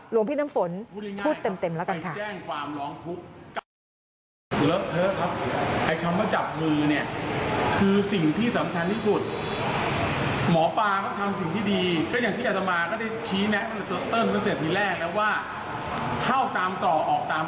หลวงพี่น้ำฝนพูดเต็มแล้วกันค่ะ